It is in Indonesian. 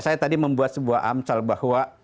saya tadi membuat sebuah amsal bahwa